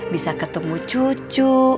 bisa ketemu cucu